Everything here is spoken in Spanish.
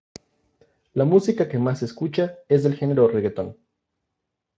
La música que más se escucha es del género reggaeton.